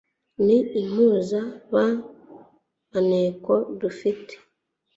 n'impunzi ba maneko dufite